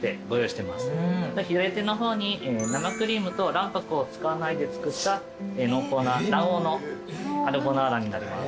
左手の方に生クリームと卵白を使わないで作った濃厚な卵黄のカルボナーラになります。